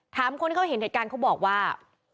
คนที่เขาเห็นเหตุการณ์เขาบอกว่า